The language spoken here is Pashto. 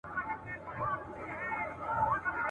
انګرېزانو به تېښته کوله.